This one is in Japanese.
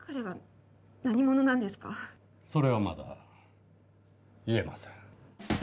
それはまだ言えません。